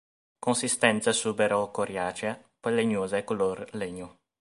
Consistenza subero-coriacea, poi legnosa e color legno.